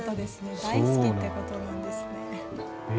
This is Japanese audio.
大好きということなんですね。